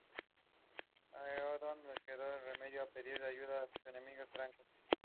Spitta wrote seven stanzas of eight lines each.